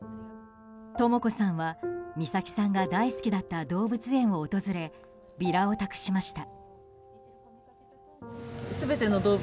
とも子さんは美咲さんが大好きだった動物園を訪れビラを託しました。